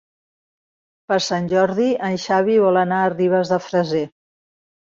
Per Sant Jordi en Xavi vol anar a Ribes de Freser.